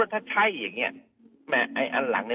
แบบที่แบบเอ่อ